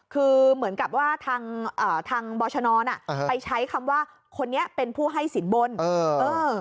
คือเหมือนกับว่าทางทางบอชนอ่ะไปใช้คำว่าคนนี้เป็นผู้ให้สินบนเออเออ